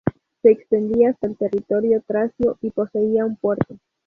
Se extendía hasta territorio tracio, y poseía un puerto.